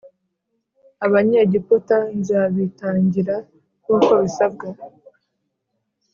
Abanyegiputa nzabitangira nkuko bisabwa